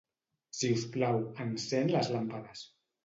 Si us plau, encén les làmpades.